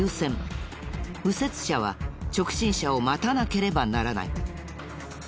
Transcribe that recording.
右折車は直進車を待たなければならない。